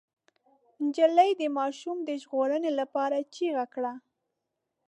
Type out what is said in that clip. نجلۍ د ماشوم د ژغورنې لپاره چيغه کړه.